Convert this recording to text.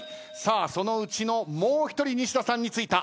そのうちのもう１人西田さんについた。